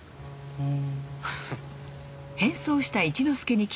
うん。